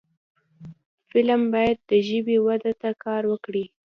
فلم باید د ژبې وده ته کار وکړي